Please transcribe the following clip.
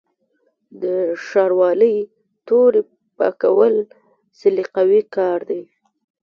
د شاروالۍ تورې پاکول سلیقوي کار دی.